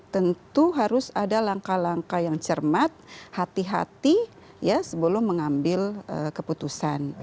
tentu harus ada langkah langkah yang cermat hati hati ya sebelum mengambil keputusan